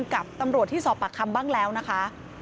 กับตำรวจที่สอบปากคำบ้างแล้วนะคะ